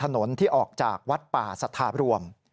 บริเวณถนนที่ออกจากวัดป่าสะทาบรวม